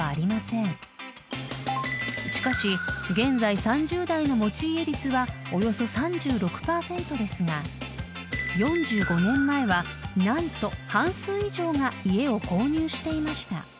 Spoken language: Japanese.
［しかし現在３０代の持ち家率はおよそ３６％ですが４５年前は何と半数以上が家を購入していました］